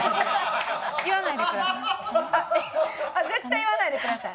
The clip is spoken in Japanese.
言わないでください。